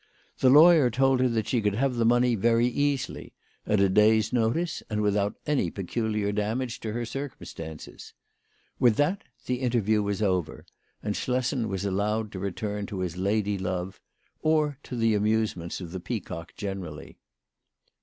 The lawyer told her that she could have the money very easily, at a day's WHY FRAU FROHMANN RAISED HER PRICES. 67 notice, and without any peculiar damage to her circumstances. With that the interview was over, and Schlessen was allowed to return to his lady love, or to the amusements of the Peacock generally.